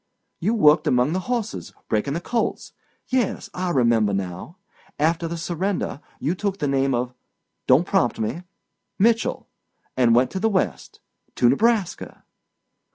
"You worked among the horses—breaking the colts. Yes, I remember now. After the surrender, you took the name of—don't prompt me—Mitchell, and went to the West—to Nebraska."